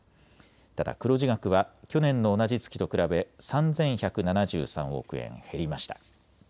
ただ黒字額は去年の同じ月と比べ３１７３億円減りました。